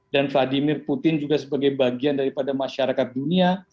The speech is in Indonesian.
dan vladimir putin juga sebagai bagian daripada masyarakat dunia